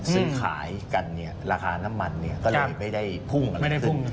ซื้อขายกันเนี้ยราคาน้ำมันเนี้ยก็เลยไม่ได้พุ่งอะไรไม่ได้พุ่ง